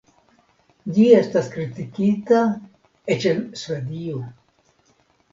Ĝi estas kritikita eĉ en Svedio.